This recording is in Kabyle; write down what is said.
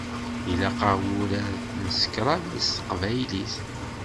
Ilaq-aɣ wurar n scrabble s teqbaylit.